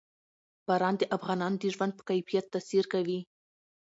باران د افغانانو د ژوند په کیفیت تاثیر کوي.